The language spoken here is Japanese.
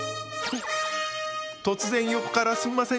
突然、横からすんません。